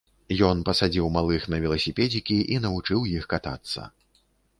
Ён пасадзіў малых на веласіпедзікі і навучыў іх катацца.